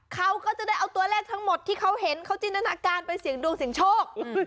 เขาก็จะได้เอาตัวเลขทั้งหมดที่เขาเห็นเขาจินตนาการไปเสียงดวงเสียงโชค